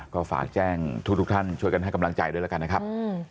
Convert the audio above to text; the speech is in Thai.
ก็ฝากแจ้งทุกท่านช่วยกันให้กำลังใจด้วยแล้วกันนะครับ